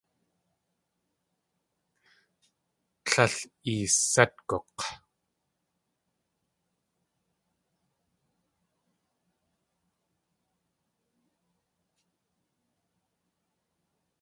Líl eesátguk̲.